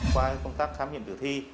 qua công tác khám nghiệm tử thi